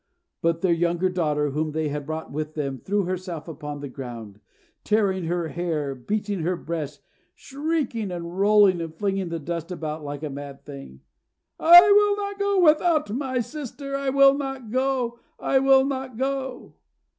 But their younger daughter, whom they had brought with them, threw herself upon the ground, tearing her hair, beating her breast, shrieking and rolling and flinging the dust about like a mad thing. "I will not go without my sister! I will not go! I will not go!"